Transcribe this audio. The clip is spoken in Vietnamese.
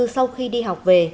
sau khi đi học về